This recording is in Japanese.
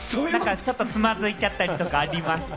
ちょっとつまずいちゃったりとか、ありますか？